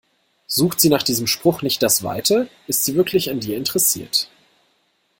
Sucht sie nach diesem Spruch nicht das Weite, ist sie wirklich an dir interessiert.